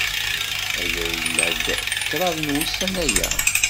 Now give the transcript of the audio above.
Aya yella-d kraḍ n wussan aya.